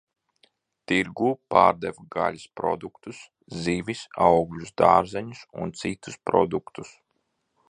Tirgū pārdeva gaļas produktus, zivis, augļus, dārzeņus un citus produktus.